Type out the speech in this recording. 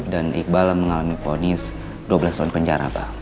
dan iqbal mengalami ponis dua belas tahun penjara pak